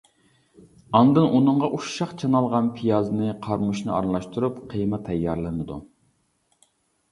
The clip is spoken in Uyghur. ئاندىن ئۇنىڭغا ئۇششاق چانالغان پىيازنى، قارىمۇچنى ئارىلاشتۇرۇپ قىيما تەييارلىنىدۇ.